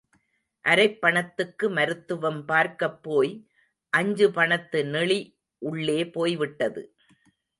அரைப் பணத்துக்கு மருத்துவம் பார்க்கப் போய் அஞ்சு பணத்து நெளி உள்ளே போய்விட்டது.